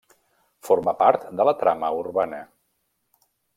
Forma part de la trama urbana.